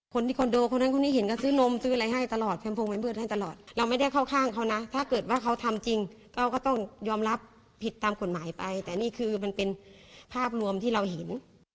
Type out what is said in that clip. คอนโดคนนั้นคนนี้เห็นก็ซื้อนมซื้ออะไรให้ตลอดแมมพงแมมเบิร์ดให้ตลอดเราไม่ได้เข้าข้างเขานะถ้าเกิดว่าเขาทำจริงก็ก็ต้องยอมรับผิดตามกฎหมายไปแต่นี่คือมันเป็นภาพรวมที่เราเห็น